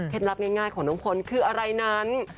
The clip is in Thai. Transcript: ลับง่ายของน้องพลคืออะไรนั้น